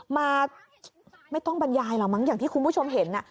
มาไม่ต้องบรรยายหรอกมั้งอย่างที่คุณผู้ชมเห็น